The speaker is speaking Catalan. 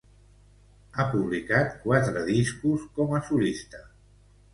Ha publicat quatre discos com a solista.